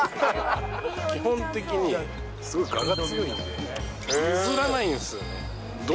基本的に、すごい我が強いんで、譲らないんです。